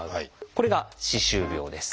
これが歯周病です。